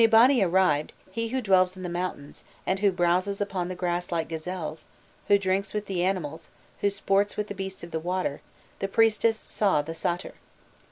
"When Eabani arrived, he who dwells in the mountains, and who browses upon the grass like the gazelles, who drinks with the animals, who sports with the beasts of the water, the priestess saw the satyr."